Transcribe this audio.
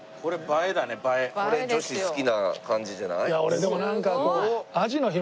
これ女子好きな感じじゃない？